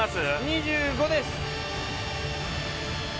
２５です。